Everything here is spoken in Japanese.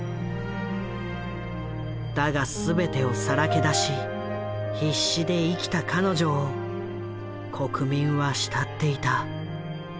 だが全てをさらけ出し必死で生きた彼女を国民は慕っていた。